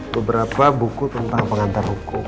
beberapa buku tentang pengantar hukum